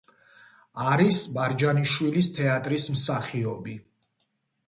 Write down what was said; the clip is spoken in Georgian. არის მარჯანიშვილის თეატრის მსახიობი.